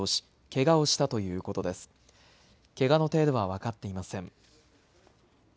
けがの程度は分かっていません。